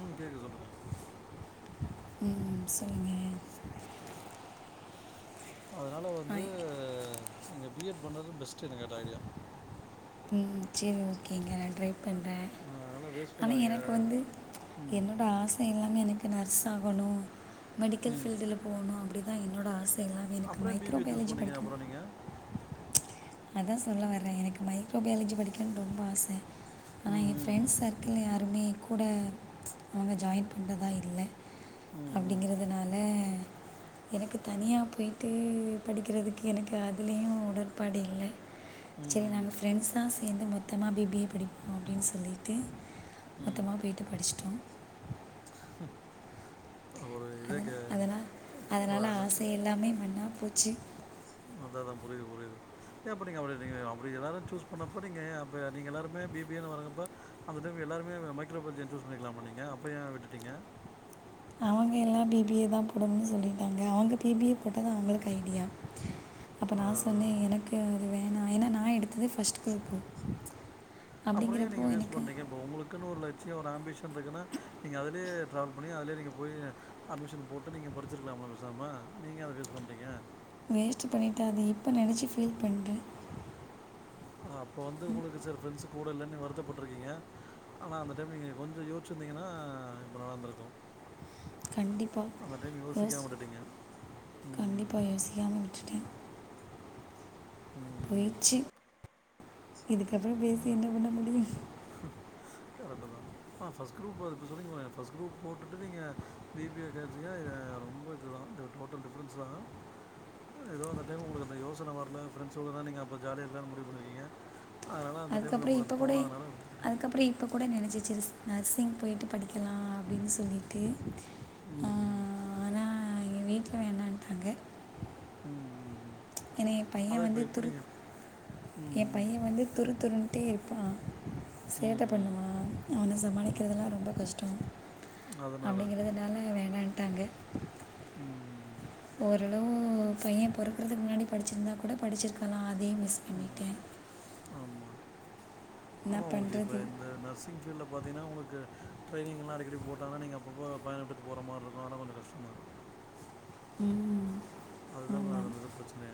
ம் கேக்க சொல்லுங்க ம் சேரிங் அதனால ஆ வந்து நீங்க பி எட் பண்ணது பெஸ்ட்டு என்ன‌ கேட்டா ஐடியா ம் சேரி ஓகேங்க நா ட்ரை பண்றே அதனால் வேஸ்ட் ஆனா பண்ணாதீங்க எனக்கு வந்து ம் என்னோட ஆச எல்லாமே எனக்கு நர்ஸ் ஆகணு மெடிக்கல் ம் ஃபீல்டு ல போகணு அப்டிதா என்னோட ஆச அது இல்லாமே எனக்கு அப்புறம் ஏன் மைக்ரோ பிபிஏ சூஸ் பயாலஜி பண்ணீங்க படிக்கணு அப்புறம் நீங்கள் அதா சொல்ல வரே எனக்கு மைக்ரோபயாலஜி படிக்கன்னுட்டு ரொம்ப ஆசை ஆனா ம் என் ம் ஃப்ரெண்ட் ம் சர்க் கில் யாருமே கூட அவங்க ஜாயின் பண்றதா இல்லை ம் ம் அப்டிங்கறதுனால அ எனக்கு தனியா போயிட்டு படிக்கிறதுக்கு எனக்கு அதுலயு உடன்பாடு இல்லை சரி ம் ம் நாங்க ஃப்ரெண்ட்ஸ்ஸா சேர்ந்து மொத்தமா பி பி ஏ படிப்போ அப்டின்னு சொல்லிட்டு மொத்தமா போய்டட்டு படிச்சிட்டோ உஹம் அதன அதனால அதனால ஆச எல்லாமே மண்ணா போச்சு அத அதா புரியுது புரியுது எப்டி நீங்கள் அப்டி நீங்க அப்டி எல்லோரு சூஸ் பண்ணப்போ நீங்க அப்போ நீங்கள் எல்லாருமே பி பி ஏ ன்னு வரங்கப்ப அந்த டைம் எல்லாருமே மைக்ரோ பாயாலஜி சூஸ் பண்ணிக்கலாமா நீங்க அப்ப ஏ விட்டுட்டீங்க அவங்க எல்லா பி பி ஏ தா போடணனு சொல்லியிருட்டாங்க அவங்க பி பி ஏ போட்டது அவங்களுக்கு ஐடியா அப்ப அதான், நா அதான், அதான். சொன்னேன் எனக்கு அது வேணா ஏன்னா நான் எடுத்ததே ஃபர்ஸ்ட் குரூப்பு அப்புறோ ஏன் அப்டிங்கிறப்போ நீங்க வேஸ்ட் எனக்கு பண்றீங்க இப்போ உங்களுக்குன்னு ஒரு லட்சியோ ஒரு ஆம்பிஷன் இருக்குதுன்னா நீங்கள் அதுலையே ட்ராவல் பண்ணி அதிலயே நீங்க போய்ருங்க அட்மிஷன் போட்டு நீங்க படிச்சிருக்கலாமல பேசாமா நீங்க அத ஃவேஸ்ட் பண்டீங்க வேஸ்ட் பண்ணிட்டே அத இப்ப நெனைச்சி ஃபீல் பண்றே அ அப்போ வந்து உங்களுக்கு சர் ஃப்ரெண்ட்ஸ் கூட இல்லன்னு வருத்தப்பட்டிருக்கீங்க ஆனா அந்த டைம் நீங்க கொஞ்சோ யோசிச்சிருந்தீங்கன்னா இப்ப நடந்துருக்கு கண்டிப்பா யோஸ் யோசிக்காம விட்டுட்டீங்க ம் கண்டிப்பா யோசிக்காம விட்டுட்டே ம் போய்ச்சி இதுக்கப்றோ பேசி என்ன பண்ண முடியு கரட்டு் தா ஆ ஃபஸ் க்ரூப் அது இப்போ சொன்னிங்களே ஃபஸ் க்ரூப் போட்டுட்டு நீங்க பி பி ஐ [unintelligible] இல்ல ரொம்ப இதுதா இந்த டோட்டல் டிஃப்ரன்ஸ் தா எதோ அந்த டைம் உங்குளுக்கு அந்த யோசன வர்ல ஃப்ரண்ட்ஸோட தா நீங்க அப்ப ஜாலியா இருக்லான் முடிவு பண்ணிருக்கிங்க அதனால அந்த டைம் வந்து உங்குளுக்கு தோணாதனால விட்டுட்டீங்க. அதுக்கப்றோ இப்போ கூட நெனச்ச சேரி நர்சிங் போய்ட்டு படிக்கலா அப்டின் சொல்லி ட்டு ஆ ம், ம். ஆனா எங்க வீட்ல வேணான்ட்டாங்க ம் ம் ம் எனா என் பையன் அதான் இப்ப வந்து இப்ப நீங்க துருத் ம், என் ம். பையன் வந்து துருத்துருன்ட்டே இருப்பான் ம், சேட்ட ம். பண்ணுவான் அவன ம். சமாளிக்குறதுலா ரொம்ப கஷ்டோ அதனால. அப்டிங்குறதுனால வேணான்ட்டாங்க ம் ம் ம் ஓரளவு பையன் பொறக்கறதுக் முன்னாடி படிச்சிருந்தா கூட படிச்சிருக்கலா அதே மே ம் ஆமா என்ன ஆமா உங்ளுக்கு இப்ப பண்ணுறது இந்த நர்ஸ் சிங் ஃபீல்ட்ல பாத்திங்ன்னா உங்ளுக்கு ட்ரைன்னிங் எல்லா அடிக்கடி போட்டங்ன்னா நீ அப்ப அப்போ பயன விட்டு போற மார்ருக்கும் ஆனா கொஞ்சோ கஷ்ட்டந் தா ம் அதுதா மா அது ஆமாம் அங்கதா ப்ரச்சன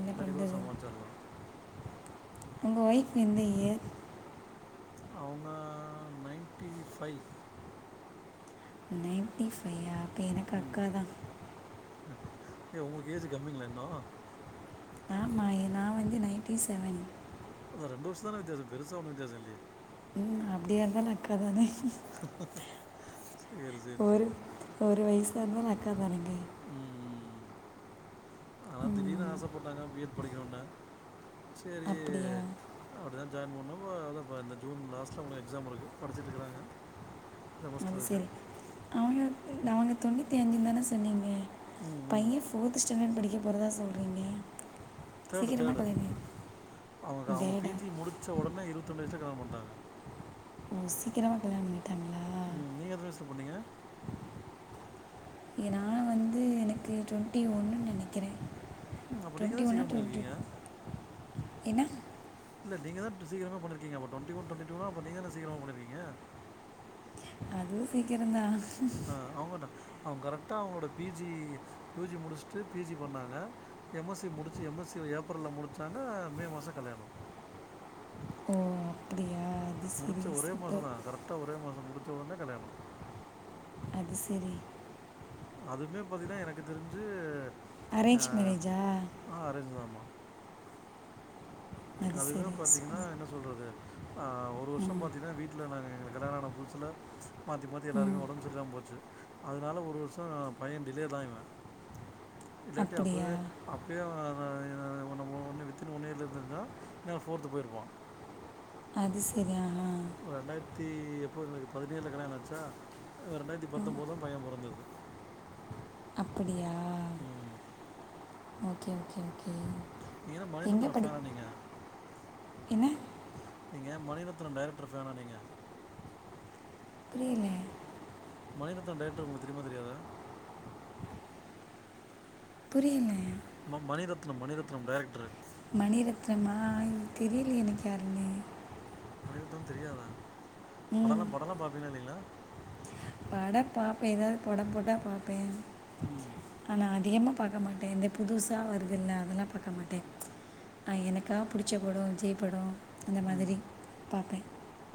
என்ன இல்லாடி கூட பண்ணுறது சமால்ச்சிர்லா உங்க வைஃப் எந்த இயர் அவுங்க நைன்ட்டி ஃபை நைன்ட்டி ஃபையா அப்போ எனக்கு அக்கா தா ஏ உங்ளுக்கு ஏஜ்ஜூ கம்மிங்ளா இன்னோ ஆமா எ நா வந்து நைன்ட்டி செவன் அதா இரண்டு வருஷ தான வித்யாசோ பெருசா ஒன்னு வித்யாச இல்லயே ம் அப்டிய இருந்தாலு அக்கா தானே [unintelligible] சரி, ஒரு சரி. ஒரு வயசா இருந்தாலு அக்கா தானேங்க ம் ம் ம் ஆனா திடீர்னு ம், ஆசப்பட்டட்டாங்க பி எட் படிக்கணுன்னு சேரி அப்படியா அப்டி தா ஜாய்ன் பண்னோ அதா இந்த ஜுன் லாஸ்ட்ல அவ்ங்க எக்ஸாம் இருக்கு படிச்சிட்டுக்குறாங்க செமஸ்ட்டர்ருக்கு அவிங்களுக்கு அவங்க தொண்ணூத்தி அஞ்சுந்தானே சொன்னிங்க ம், ம். பையன் ஃபோர்த் ஸ்டாண்டட் படிக்க போறதா சொல்றிங்க தேர்டு தேர்டு அவுங்க்கு அவங்க பி டேடா ஜி முடிச்ச உடனே இருபத்து ரெண்டு வயசுல கல்யாணம் பண்ணிட்டாங்க ஓ சீக்கிரமா கல்யாண பண்ணிட்டாங்களா ம். நீங்க எத்தன வயஸ்ல பண்ணிங்க இங்க நா வந்து எனக்கு ட்வொண்ட்டி ஒன்னுன் நெனைக்கிறே ம். அப்ப நீங்க ட்வொன்ட்டி தான் ஒன்னா சீக்கிரம் பண்ணியிருக்கீங்க. ட்வொன்ட்டிட் என்னா இல்ல நீங்க தா சீக்ரம பண்ணிருக்கிங்க அப்ப ட்வொண்டி ஒன் ட்வொண்டி டூ னா அப்ப நீங் தான சீக்ரமா பண்ணிருக்கிங்க அதுவு சீக்கிரந் தா அ அவுங்கதா அவுங்க கரெக்ட்டா அவுங்ளோட பி ஜி யூ ஜி முடிஷ்ட்டு பி ஜி பண்ணாங்க எம் எஸ் சி முடிச்சு எம் எஸ் சி ஏப்ரல்ல முடிச்சாங்க மே மாச கல்யாணோ ஓ அப்டியா முடிச்ச ஒரே மாசந்தா கரெக்டா ஒரே மாச முடிச்ச உனே கல்யாணோ அது செரி அதுமே பாத்தீங்கன்னா எனக்கு தெரிஞ்சு ஆ அரேஞ்ச் மேரேஜா அ அரேஞ்சு தாம்மா அது அதுவே சரி சு- பாத்தீங்கன்னா என்ன சொல்றது ஒரு வர்ஷோ பாத்தீங்கன்னா வீட் ல நாங்க எங்களுக்கு கல்யாணான புதுசுல மாத்தி மாத்தி எல்லாருமே உடம்பு செ ரி இல்லாம போச்சு அதனால ஒரு வர்ஷோ ஆ பைய டிலேதா இவ இல்லாட்டி அப்படியா அப்பவே அப்பயே அவ அவ ஆ நம்ம ஒன்னு வித்துன்னு ஒன்னே இருந்துருந்தா இந்நேரோ ஃபோர்த் போயிருப்பா அது செரி ஆனா ஒரு ரெண்டாயிரத்தி எப்போது எங்களுக்கு பதினேழ்ல கல்யணா ஆச்சா ரெண்டாயிரத்தி பத்தொம்பதுதா பைய பொறந்தது அப்டியா ம் ஒகே ஒகே நீங்க என்ன மணிரத்னம் ஃபேன நீங்க என்ன நீங்க மணிரத்னம் டேரக்டர் ஃபேனா நீங்க புரியல மணிரத்தினம் டேரக்டர் உங்களுக்கு தெரியுமா தெரியாதா புரியல ம மணிரத்னம் மணிரத்னம் டேரக்டர்ரு மணிரத்னமா தெரியலையே எனக்கு யாருன்னு மணிரத்னம் தெரியாதா படல்லா ம் படல்லா பாப்பீங்ளா இல்லைங்ளா படப் பாப்பே ஏதாவது படம் போட்டா பாப்பே ம் ஆனா அதிகமாக பாக்க மாட்டே இந்த புதுசா வருதுல்ல அதெல்லா பாக்க மாட்டே ஆ எனக்கா புடிச்ச படோ விஜய் படோ அந்த ம் மாதிரி பாப்பே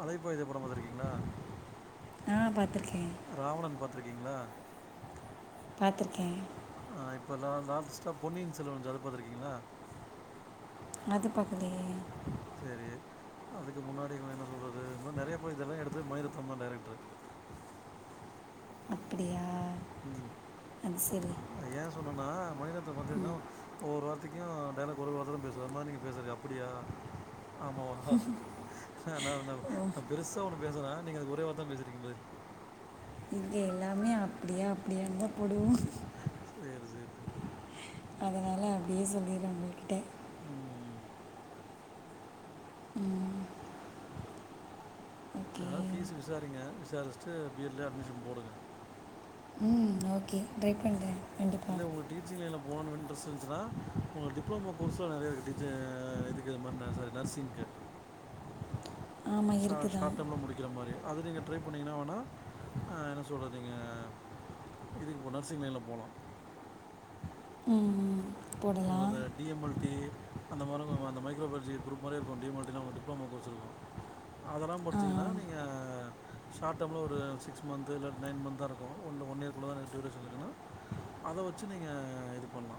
அலைப்பாயுதே படப் பாத்திருக்கீங்ளா ஆ பாத்துருக்கே இராவணன் பாத்துருக்கீங்ளா பாத்திருக்கே ஆ இப்ப லா லாஸ்டா பொன்னியின் செல்வன் வஞ்சு அது பாத்திருக்கீங்ளா அது பாக்கலையே செரி அதுக்கு முன்னாடி எங்கள என்ன சொல்லறது இது மாரி நெறைய பட இதெல்லா எடுத்தது மணிரெத்தினம் டேரக்டரு அப்டியா ம் அது செரி அது ஏ சொன்னனா மணிரெத்தினம் பாத்தீங்கன்னா ஒவ்வொரு வார்த்தைக்கும் டைலாக் ஒரு வார்த்ததா பேசுற மாரி நீங்க பேசுறீங்க அப்டியா ஆமாவா நா நா பெருசா ஒன்னு பேசுனா நீங்க அதுக்கு ஒரே வார்த்த பேசிறீங்க பதில் இங்க எல்லாமே அப்டியா அப்டியாந்தா போடுவோங் சேரி சேரிங்க அதனால பேச முடியல உங்கள் கிட்ட ம் ம் ஓகே அத பீஸ்சு விசாரிங்க விசாரிச்சுட்டு பி எட்லே அட்மிஷன் போடுங்க ம் ஓகே ட்ரைப் பண்ற இல்ல உங்க டீச்சிங்ல போக இன்ட்ரஸ்ட் இருந்தா உங்களுக்கு டிப்ளோமா கோர்ஸ்லா நெறைய இருக்கு டிஜ இதுகு [unintelligible] நர்சிங்க்கு ஆமாம் ஷா இருக்குதான் ஷார்ட் டேமில முடிக்கிற மாரி அது நீங்கள ட்ரை பண்ணிங்கன்னா வேணா என்ன சொல்றது நீங்க இதுகு இப்போ நர்சிங் லைன்ல போளா உம் உம் த உங்கள டிஎம்எல் தி அந்த மாரி [unintelligible] அந்த மைக்ரோ பாலாஜி குரூப் மாரி இருக்கும் டிஎல் டிப்ளோமா கோர்ஸ் இருக்கும் அதுல்லா ஆ முடிச்சீங்கன்னா நீங்க ஷார்ட் டேம்ல ஒரு சிக்ஸ் மந்த் இல்ல நைன் மந்த்த தான் இருக்கும் ஒன் இயர்கக்குள்ளதான் டியூரேஷன் இருக்குன்னா அத வெச்சு நீங்க இது பண்ணலா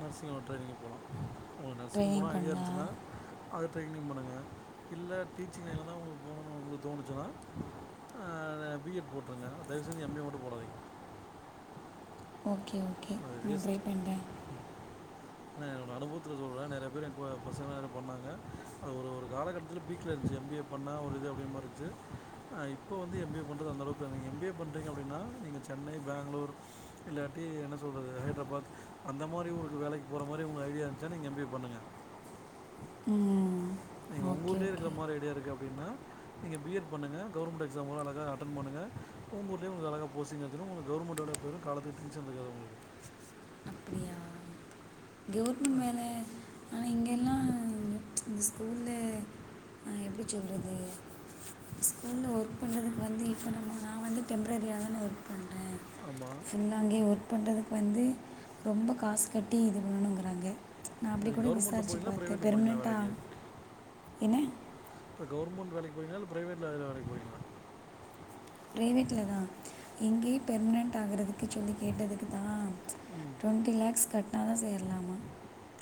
நர்சிங் உள்ள ட்ரைனிங்க் போலா வுங்களுக்கு நர்சிங் போனா ட்ரைனிங் ஐடியா பண்ணலாம் இருந்துச்சுன்னா அது ட்ரையினிங் பண்ணுங்க இல்ல டிச்சிங் லைன்ல் தான் உங்களுக்கு போகணும்னு தோணுச்சுன்னா ஆ பிஎட் போட்டுருங்க தயவுசெஞ்சு எம்பிஏ மட்டும் போடாதீங்க ஓகே ஓகே அது இப்டியே பண்ற நான் என்னோட அனுபவத்துல சொல்றே நெறைய பேர் என் பசங்க நெறைய பண்ணாங்க அது ஒரு ஒரு காலகட்டத்துல வீட்லேஇருந்துச்சு எம்பிஏ பண்ணா ஒரு இது அப்படினு மாதிரி இருந்துச்சு ஆ இப்போ வந்து எம்பிஏ பண்ணுறது அந்தளவுக்கு நீங்கள எம்பிஏ பண்றீங்க அப்படின்னா நீங்க சென்னை பேங்களூரு இல்லாட்டி என்ன சொல்றது ஹைதராபாத் அந்த மாரி ஒருவேலைக் ஒரு மாரி உங்க ஐடியா இருந்துச்சா நீங்க எம்பிஏ பண்ணுங்க ம் நீங்க உங்க ஓகே ஊர்ல இருக்கிற ஓகே மாதிரி ஐடியா இருக்கு அப்டின்னா நீங்கள் பிஎட் பண்ணுங்கள் கவர்மெண்ட்க்ஸாம் வரும் அழகாக அட்டன் பண்ணுங்க உங்க ஊர்லயே உனுகு அழகாய் போஸ்டிங் கிடைச்சுடும் உனக்கு கவர்மெண்ட் வேலைய பாரு காலத்து டென்ஷன் இருக்காது கவுவர்மெண்ட் ஆ வேல ஆனா இங்ககெல்லா இந்த ஸ்கூல்ல ஆ எப்டி சொல்றது ஸ்கூல்ல ஒர்க் பண்ணுறதுக்கு வந்து இப்போ நம்ம நான் வந்து டெம்ப்ரரியா தான ஒர்க் பண்ற ஆமா இல்ல அங்கே ஒர்க் பண்றதுக்கு வந்து ரொம்ப காசு கட்டி இது பண்ணுங்கிறாங்க நா இப்ப அப்டி நீங்க கூட கவர்மெண்ட்ல விசாரிச்சு போறீங்களா பாத்த பிரைவேட்ல போறீங்களா பெர்ம்னன்ட்டா வேலைக்கு என்ன இப்ப கவர்மெண்ட் வேலைக்கு போறீங்ளா இல்ல பிரைவேட்ல வேற வேலைக்கு போறீங்ளா பிரைவேட்ல தா இங்கேயே பெர்மனன்ட் ஆகுறதுக்கு சொல்லி கேட்டதுக்கு தான் உம் டொன்டி லேக்ஸ் கட்னா தான் சேர்லாமா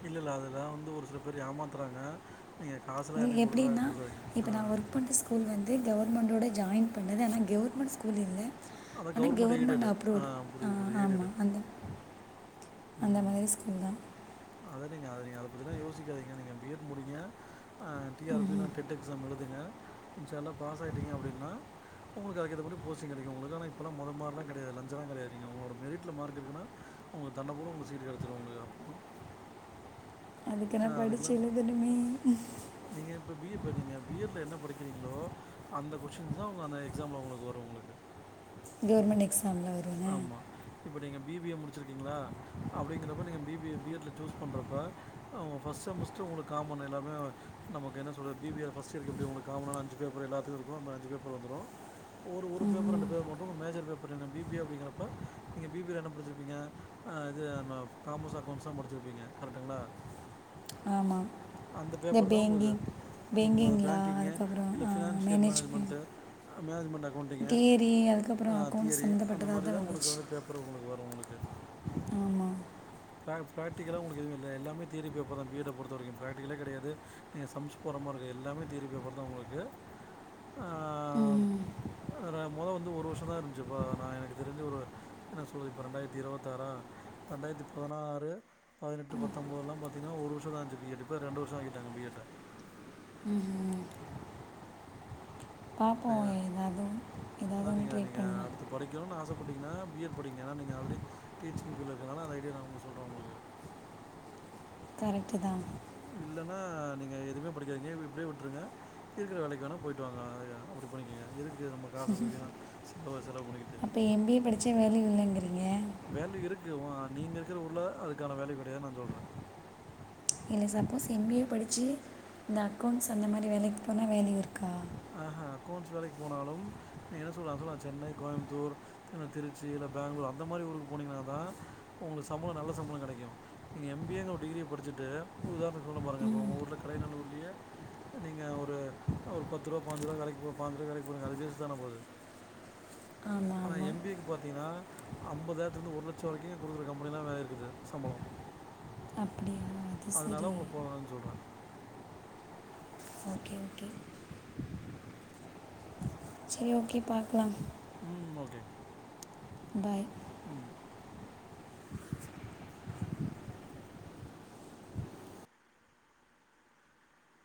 இல்ல இல்ல அதுல வந்து ஒரு சில பேர் ஏமாத்துறாங்க நீங்க காசுலாம் இது யார்டயும் குடுத்துற எப்படின்னா குடுக்காதுங்க இப்போ ஆ நான் ஒர்க் பண்ணுற ஸ்கூல் வந்து கவர்மெண்ட்டோடு ஜாய்ன் பண்ணது ஆனா கவர்மெண்ட் ஸ்கூல் இல்ல அதான் ஆனா கவர்மெண்ட் எய்டடு ஆ அப்ரூவ்டு புரியுது புரியுது ஆமா எய்டடு அந்த அந்த மாரி ஸ்கூல் தான் அத நீங்க அத நீங்க அத பத்திலாம் யோசிக்காதீங்க நீங்க பி எட் முடிங்க T R Pym TET NET exam எழுதுங்க முஞ்சளோ பாஸ் ஆயிட்டீங்க அப்டின்னா உங்களுக்கு அது ஏத்த மாரி போஸ்டிங் கெடைக்கும் உங்களுக்கு ஆனா இப்பலாம் மொத மாரிலாம் கெடையாது லஞ்சலாம் கெடையாது அவுங்கள மெரிட்ல மார்க்குனா உங்குளு தண்ண கூட உங்களுக்கு சீட்டு கெடச்சிரும் உங்க அப்பறம் அதுக்கு நா படிச்சு அதுக்கெல்லாம் எழுதனுமே நீங்க இப்ப பி ஏ படிங்க பி எட் ல என்ன படிக்கிறீங்களோ அந்த கொஸ்டின் தான் உங்க அந்த எக்ஸாம்ல உங்களுக்கு வரும் உங்களுக்கு கவுர்மெண்ட் எக்ஸாம்ல வருங்க ஆமா இப்ப நீங்க பி பி ஏ முடிச்சிருக்கீங்களா அப்டிங்கிறப்ப நீங்க B B A B Ed ல் சூஸ் பண்றப்ப அவுங் ஃப்ஸ்ட் செமஸ்டர் உங்ளுக்கு காமன் எல்லாமே நமக்கு என்ன சொல்றது பி பி ஏ ஃப்ஸ்ட் இயர்கக்கு எப்டி உங்ளுக்கு காமனா அஞ்சு பேர் போல எல்லாத்துக்கு இருக்கோ அஞ்சு பேர் போல வந்துரு ஒரு ஒரு பேப்பர் ம், ரெண்டு பேர் மட்டு உ மேஜர் பேப்பர் இருங்க பி பி ஏ அப்டிங்கறப்ப நீங்க பி பி ஏ ல என்ன படிச்சிருப்பீங்க இது காமர்ஸ் அக்கௌண்ட்ஸ்ஸா முடிச்ச சிர்பீங்க கரெக்டிங்களா ஆமாம் அந்த இந்த பேப்பர் தா உங்ளுக்கு பேங்கிங் அது பேங்கிங்லா பேங்கிங்கு அதுக்கப்புறம் இல்ல financial management management management accounting கேரி அதுக்கப்புறம் ஆ அக்கௌண்ட்ஸ் தியரி அந்த சம்மந்தப்பட்டதாக மாரி தான் தா உங்ளுக்கு வந்துச்சு வந்து பேப் பர் வரு உங்ளுக்கு ஆமாம் ப்ராக்டிக்கலா உங்ளுக்கு இதுல எல்லாமே தியரி பேப்பர் தான் பி எட அ பொறுத்த வரைக்கு ப்ராக்டிக்கல கெடையாது நீங்க சம்ஸ்போடறமாரி எல்லாமே தியரி பேப்பர் தா உங்ளுக்கு ம் அடடா மொத வந்து ஒரு வருஷந்தா இருந்ச்சுப்பா நா எனக் தெரிஞ்சு ஒரு என்ன சொல்றது இப்ப ரெண்டாயிரத்தி இருபத்தாறா ரெண்டாயிரத்தி பதினாறு பதினெட்டு பத்தோம்போதுலா பாத்தீங்கனா ஒர் வருஷ தா இந்துச்சு பி எட் இப்போ ரண்டு வர்ஷோ ஆகிட்டாங்க பி எட்ட ம் ம் பாப்போ ஏதாவ்து ஏதாவ்து ஒன் ட்ரை பண்லா படிக்கணுனு ஆசப்பட்டிங்கனா பி எட் படிங்க ஏனா நீங்க ஆல்ரெடி டீச்சிங் ஃபீல்டில் இருக்கனால ஐடியா நா உங்ளுக்கு சொல்றே உங்ளுக்கு கரெக்ட் தா இல்லனா நீங்க எதுமே படிக்காதீங்க இப்டியே விட்ருங்க இருக்குற வேலக்கு வேணா போயிட்டு வாங்க அப்டி பண்ணிக்கோங்க எதுக்கு நம்ம காசு போய் வீணா செலவு செலவு பண்ணிக்கிட்டு இப்ப எம் பி ஏ படிச்சா வேல்யூ இல்லங்கிறீங்க வேல இருக்கு ஓ நீங்க இருக்குற உள்ள அதுக்கான வேல கெடையாது நா சொல்றே நீங்க சப்போஸ் எம் பி ஏ படிச்சு இந்த அக்கௌண்ட்ஸ் அந்த மாரி வேலக்கு போனா வேல்யூ இருக்கா ஆஹா அக்கௌண்ட்ஸ் வேலைக் போனாலு நீ என்ன சொல்ற ந சென்னை கோயம்த்தூர் திருச்சி இல்ல பேங்களூர் அந்த மாரி ஊருக்கு போனீங்கனா தா உங்ளுக்கு சம்பளம் நல்ல சம்பள கெடைக்கு நீங்க எம் பி ஏ னு ஒரு டிகிரிய படிச்சுட்டு உதாரண சொல்றே பாருங்க இப்போ உங்கள் ஊர்ல கடயநல்லூர்லயே நீங்க ஒரு ஒரு பத்து ரூபா பாஞ்சு ரூபா கடை போ பாஞ்சுரூவா கடைக்போ அது பேச தானே போது ஆமாம் ஆனா ஆமாம் எம் பி ஏ க்கு பாத்தீங்கனா ஐம்பதாயிரத்துலருந்து ஒரு லட்ச வரைக்கு குடுக்குற கம்பெனிலா வேற இருக்குது சம்பளம் அப்டியா அதனால உங்கள போ [unintelligible] சொல்றே ஓகே ஓகே சரி ஓகி பாக்கலாம் ம் ஓகே பாய் உம்